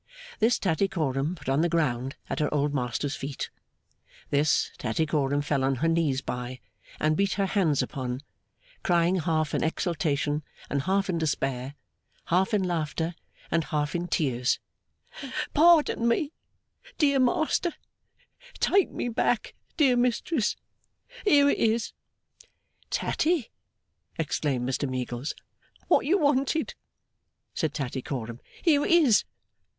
This, Tattycoram put on the ground at her old master's feet: this, Tattycoram fell on her knees by, and beat her hands upon, crying half in exultation and half in despair, half in laughter and half in tears, 'Pardon, dear Master; take me back, dear Mistress; here it is!' 'Tatty!' exclaimed Mr Meagles. 'What you wanted!' said Tattycoram. 'Here it is!